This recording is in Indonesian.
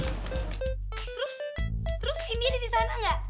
terus terus ini ada di sana gak